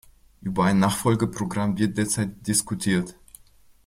Über ein Nachfolgeprogramm wird derzeit diskutiert.